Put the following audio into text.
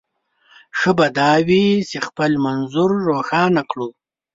ښه به دا وي چې خپل منظور روښانه کړو.